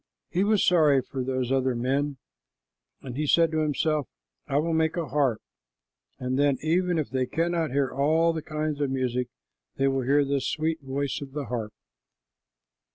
He was sorry for those other men, and he said to himself, "I will make a harp, and then even if they cannot hear all the kinds of music, they will hear the sweet voice of the harp."